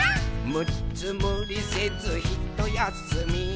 「むっつむりせずひとやすみ」